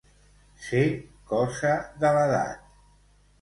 Ser cosa de l'edat.